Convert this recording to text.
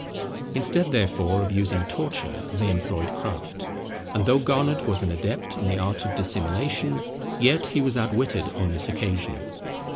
Instead, therefore, of using torture, they employed craft; and though Garnet was an adept in the art of dissimilation, yet he was outwitted on this occasion.